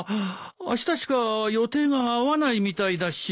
あしたしか予定が合わないみたいだし。